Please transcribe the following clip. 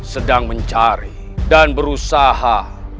sedang mencari dan berusaha